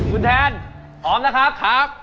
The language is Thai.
อุทันทร์พร้อมนะครับ